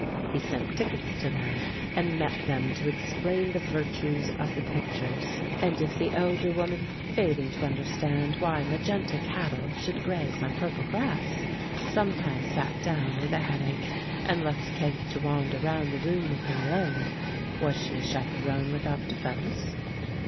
He sent tickets to them, and met them to explain the virtues of the pictures. And if the elder woman, failing to understand why magenta cattle should graze on purple grass, sometimes sat down with a head ache and left Kate to wander round the room with him alone, was she a chaperon without de fence